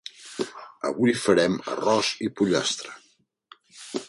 Avui farem arròs i pollastre.